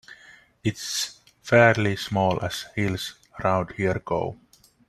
It's fairly small as hills around here go.